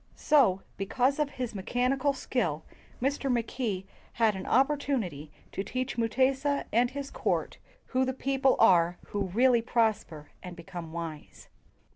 So, because of his mechanical skill, Mr. Mackay had an opportunity to teach Mu tesa and his court who the people are who really prosper and become wise.